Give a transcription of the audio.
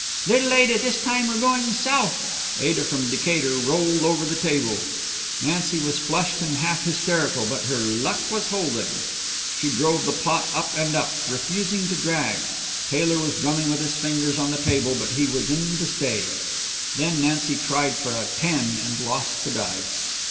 "Little Ada, this time we're going South." Ada from Decatur rolled over the table. Nancy was flushed and half hysterical, but her luck was holding. She drove the pot up and up, refusing to drag. Taylor was drumming with his fingers on the table but he was in to stay. Then Nancy tried for a ten and lost the dice.